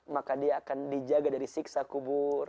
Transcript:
maka dia akan dijaga dari siksa kubur